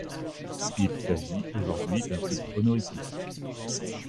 Il s'agit aujourd'hui d'un titre honorifique.